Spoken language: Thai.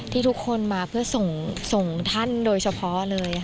ทุกคนมาเพื่อส่งท่านโดยเฉพาะเลย